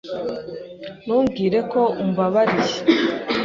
Ntumbwire ko umbabariye.